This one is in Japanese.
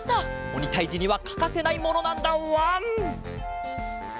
おにたいじにはかかせないものなんだわん！